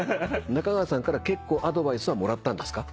中川さんから結構アドバイスはもらったんですか？